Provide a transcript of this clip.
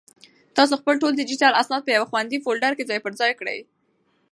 تاسو خپل ټول ډیجیټل اسناد په یو خوندي فولډر کې ځای پر ځای کړئ.